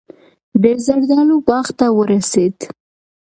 د زردالو باغ ته ورسېد.